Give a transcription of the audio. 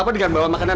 mau ditangkap warga